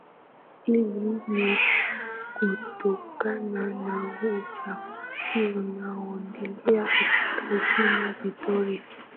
Hili ni kutokana na uchafuzi unaondelea katika Ziwa Victoria